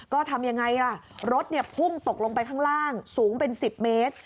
ก็ทำยังไงล่ะรถพุ่งตกลงไปข้างล่างสูงเป็น๑๐เมตร